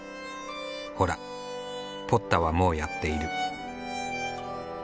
ほらポッタはもうやっている。